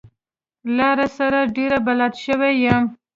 لاره سره ډېر بلد شوی يم.